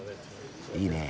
いいねえ。